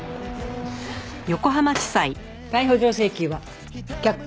逮捕状請求は却下。